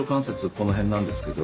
この辺なんですけど。